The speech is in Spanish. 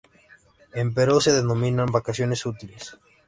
En Perú se denominan vacaciones útiles.